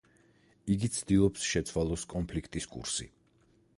იგი ცდილობს, შეცვალოს კონფლიქტის კურსი.